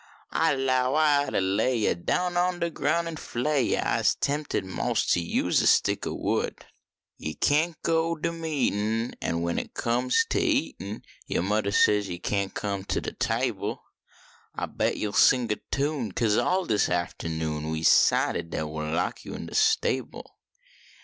I low I ought to lay yo Down on dat groun en flay yo , Ise tempted mos ter use a stick o wood. Yo kaint go to de meetin , An" w en it comes ter eatin Yo mudder sais yo kaint come to de table. I bet you ll sing er tune, Kase all dis aftahnoon We s cided dat we ll lock yo in de stable.